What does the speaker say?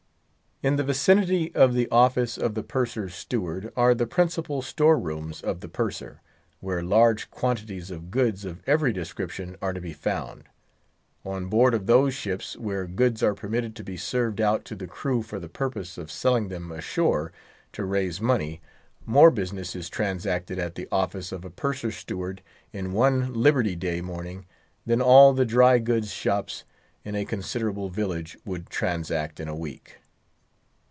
In the vicinity of the office of the Purser's Steward are the principal store rooms of the Purser, where large quantities of goods of every description are to be found. On board of those ships where goods are permitted to be served out to the crew for the purpose of selling them ashore, to raise money, more business is transacted at the office of a Purser's Steward in one Liberty day morning than all the dry goods shops in a considerable village would transact in a week.